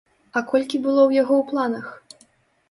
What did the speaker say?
А колькі было ў яго ў планах!